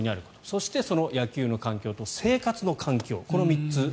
そして、その野球の環境と生活の環境。